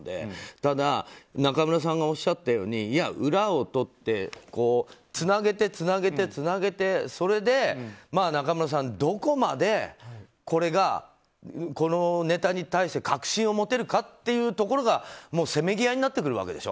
ただ中村さんがおっしゃったように裏を取ってつなげて、つなげて、つなげてそれで中村さんどこまで、これがこのネタに対して確信を持てるかっていうところがせめぎ合いになってくるわけでしょ。